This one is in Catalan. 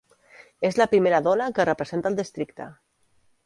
És la primera dona que representa el districte.